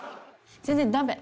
全然ダメ。